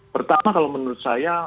pertama kalau menurut saya